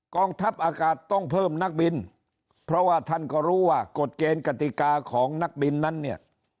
กองทัพอากาศต้องเพิ่มนักบินเพราะว่าท่านก็รู้ว่ากฎเกณฑ์กติกาของนักบินนั้นเนี่ย